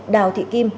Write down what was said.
đào thị kim